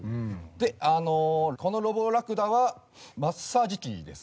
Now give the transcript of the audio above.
あのこのロボラクダはマッサージ機です。